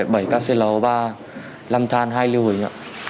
sau đó em theo tỷ lệ bảy kclo ba năm than hai liu hủy